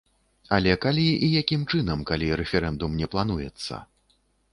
Але калі і якім чынам, калі рэферэндум не плануецца?